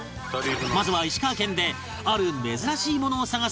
まずは石川県である珍しいものを探す